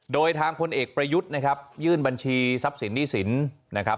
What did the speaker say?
โดยทางพลเอกประยุทธ์นะครับยื่นบัญชีทรัพย์สินหนี้สินนะครับ